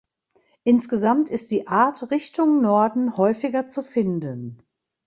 Insgesamt ist die Art Richtung Norden häufiger zu finden.